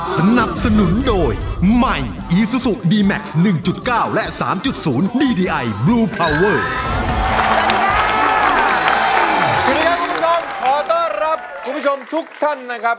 สวัสดีครับคุณผู้ชมขอต้อนรับคุณผู้ชมทุกท่านนะครับ